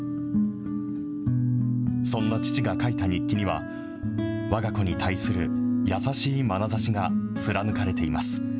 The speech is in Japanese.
そんな父が描いた日記には、わが子に対する優しいまなざしが貫かれています。